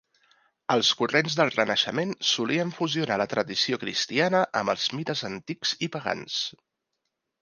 Els corrents del Renaixement solien fusionar la tradició cristiana amb els mites antics i pagans.